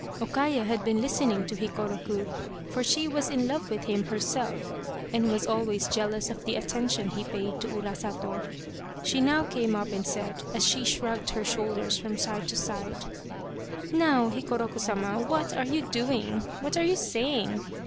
O Kaya had been listening to Hikoroku, for she was in love with him herself and was always jealous of the attention he paid to Urasato. She now came up and said, as she shrugged her shoulders from side to side :" Now Hikoroku Sama what are you doing ? What are you saying